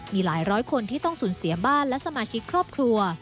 มีหลายร้อยคนที่ต้องสูญเสียบ้านและสมาชิกครอบครัว